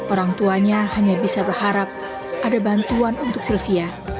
orang tuanya hanya bisa berharap ada bantuan untuk sylvia